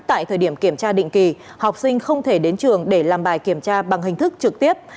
tại thời điểm kiểm tra định kỳ học sinh không thể đến trường để làm bài kiểm tra bằng hình thức trực tiếp